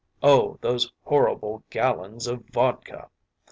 Oh, those horrible gallons of vodka!